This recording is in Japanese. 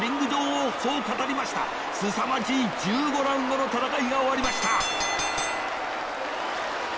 すさまじい１５ラウンドの戦いが終わりました！